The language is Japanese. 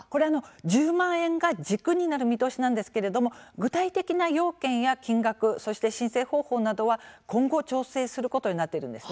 １０万円が軸になる見通しなんですが具体的な要件や金額そして申請方法などは今後調整することになっているんです。